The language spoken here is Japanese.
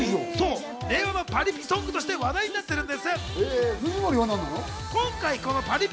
令和のパリピソングとして話題になってるんです。